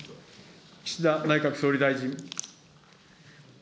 岸田内閣総理大臣。